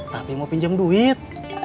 tapi mau pinjam duit